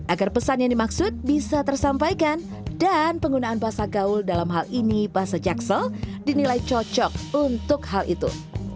agar pesan yang dimaksud bisa tersampaikan dan penggunaan bahasa gaul dalam hal ini bahasa jaksel dinilai cocok untuk hal itu